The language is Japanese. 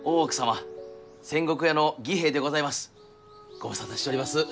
ご無沙汰しちょります。